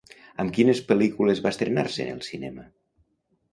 Amb quines pel·lícules va estrenar-se en el cinema?